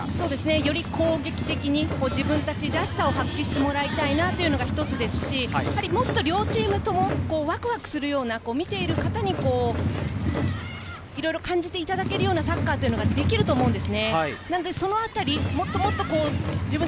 より攻撃的に自分らしさを発揮してもらいたいですし、もっと両チームともワクワクするようなところを見ている方に感じていただけるようなサッカーができると思うんです。